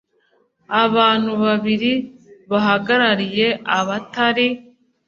abantu babiri bahagarariye abatari